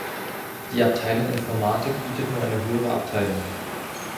Die Abteilung Informatik bietet nur eine höhere Abteilung.